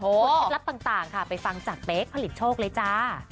โหความคิดลับต่างค่ะไปฟังจากเบ๊กผลิตโชคเลยจ๊ะ